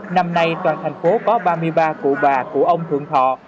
năm nay toàn thành phố có ba mươi ba cụ bà của ông thượng thọ